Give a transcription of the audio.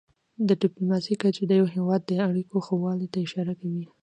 د ډيپلوماسی کچه د یو هېواد د اړیکو ښهوالي ته اشاره کوي.